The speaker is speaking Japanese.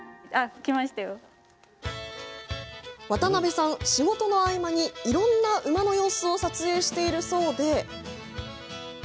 渡邉さん、仕事の合間にいろんな馬の様子を撮影しているそうで。